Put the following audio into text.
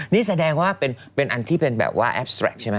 นี่แสดงว่าเป็นอันที่เป็นแบบอัปสตแตรคใช่มั้ย